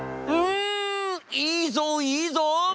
んいいぞいいぞ！